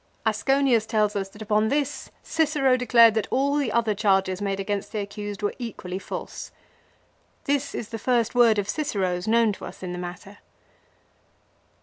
Asconius tells us that upon this Cicero declared that all the other charges made against the accused were equally false. This is the first word of Cicero's known to us in the matter.